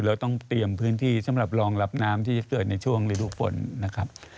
เราต้องเตรียมพื้นที่สำหรับรองรับน้ำที่จะเกิดในช่วงฤดูฝนนะครับ